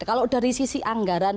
kalau dari sisi anggaran